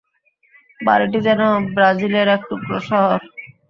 বাড়িটি যেন ব্রাজিলের এক টুকরো শহর।